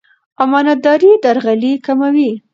امانتداري درغلي کموي.